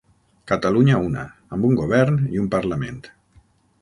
Catalunya una, amb un govern i un parlament.